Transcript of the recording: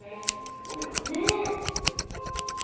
すごいな。ね。